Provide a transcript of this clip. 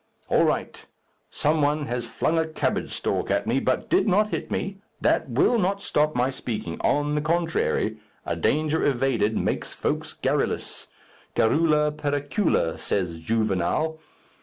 All right! Some one has flung a cabbage stalk at me, but did not hit me. That will not stop my speaking; on the contrary, a danger evaded makes folks garrulous. Garrula pericula, says Juvenal.